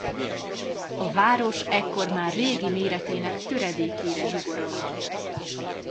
A város ekkor már régi méretének töredékére zsugorodott.